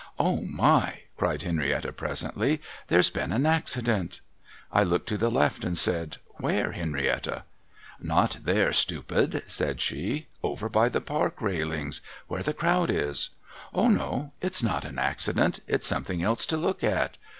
' Oh my !' cried Henrietta presently. ' There's been an accident !' I looked to the left, and said, ' Where, Henrietta ?'' Not there, stupid !' said she. ' Over by the Park railings. Where the crowd is. Oh no, it's not an accident, it's something else to look at